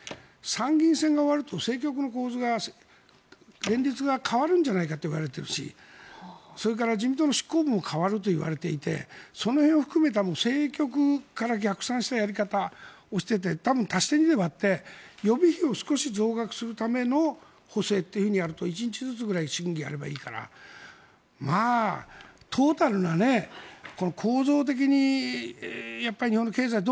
参議院選が終わると政局の構図が連立が変わるんじゃないかといわれているしそれから自民党の執行部も代わるといわれていてその辺を含めた政局から逆算したやり方をしていて多分、足して２で割って予備費を少し増額するための補正というふうにやると１日ずつぐらい審議をやればいいからまあトータルの構造的にやっぱり日本の経済を